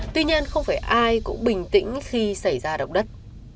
tuy nhiên không phải ai cũng bình tĩnh khi xảy ra động đất